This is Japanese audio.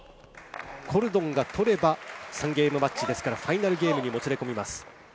コルドンが取れば３ゲームマッチですからファイナルゲームにもつれ込みます。